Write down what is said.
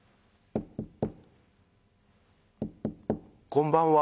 「こんばんは。